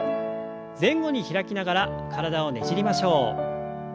前後に開きながら体をねじりましょう。